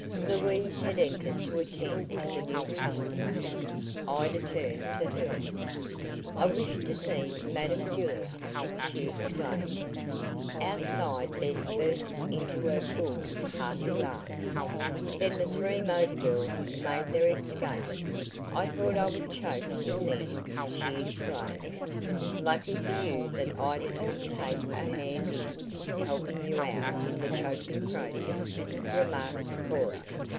Louise had entered to attend to the new customer. Ida turned to her: "I wish to see Madam Julia!" she exclaimed. Outside Bess burst into her full, hearty laugh. Then the three motor girls made their escape. "I thought I would choke in there!" she exclaimed. "Lucky for you that Ida didn't take a hand in, helping you out in the choking process," remarked Cora.